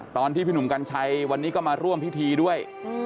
พี่หนุ่มกัญชัยวันนี้ก็มาร่วมพิธีด้วย